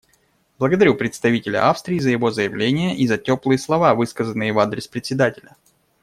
Благодарю представителя Австрии за его заявление и за теплые слова, высказанные в адрес Председателя.